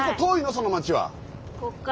その町は。